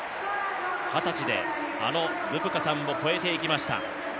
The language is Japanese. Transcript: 二十歳であのブブカさんを超えていきました。